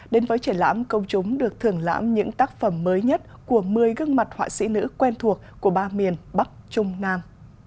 đến với triển lãm công chúng được thưởng lãm những tác phẩm mới nhất của một mươi gương mặt họa sĩ nữ quen thuộc của ba miền bắc trung nam